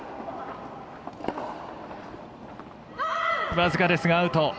僅かですがアウト！